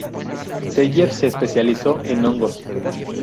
Zeller se especializó en hongos.